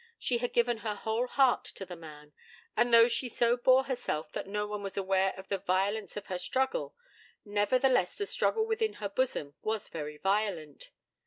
She had given her whole heart to the man; and, though she so bore herself that no one was aware of the violence of the struggle, nevertheless the struggle within her bosom was very violent.